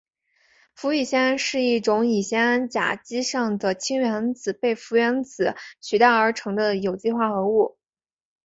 氟乙酰胺是一种乙酰胺甲基上的氢原子被氟原子取代而成的有机化合物。